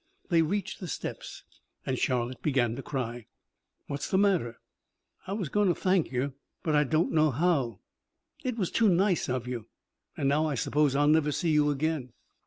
They reached the steps, and Charlotte began to cry. "What's the matter?" "I was goin' to thank you, but I don't know how. It was too nice of you. An' now I suppose I'll never see you again."